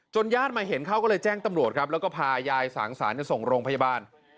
จนญาติมาเห็นเขาก็จะแจ้งตำรวจแล้วก็พายายสางสารจะส่งไปภายบาล